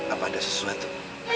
apa ada sesuatu